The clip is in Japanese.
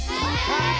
はい！